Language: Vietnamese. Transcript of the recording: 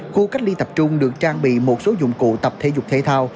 khu cách ly tập trung được trang bị một số dụng cụ tập thể dục thể thao